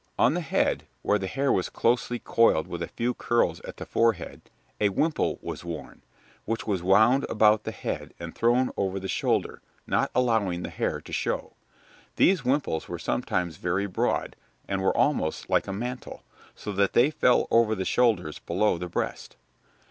] On the head, where the hair was closely coiled with a few curls at the forehead, a wimple was worn, which was wound about the head and thrown over the shoulder, not allowing the hair to show. These wimples were sometimes very broad, and were almost like a mantle, so that they fell over the shoulders below the breast.